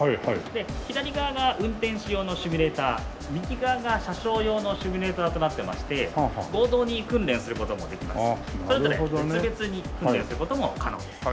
で左側が運転士用のシミュレーター右側が車掌用のシミュレーターとなってまして合同に訓練する事もできますしそれぞれ別々に訓練する事も可能です。